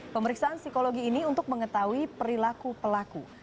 pemeriksaan psikologi ini untuk mengetahui perilaku pelaku